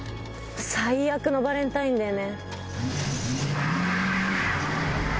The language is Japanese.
最悪のバレンタインデーね。